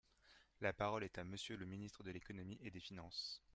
La parole est à Monsieur le ministre de l’économie et des finances.